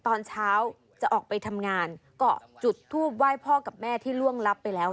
ตอนเช้าจะออกไปทำงานเกาะจุดทูปไหว้พ่อกับแม่ที่ล่วงลับไปแล้ว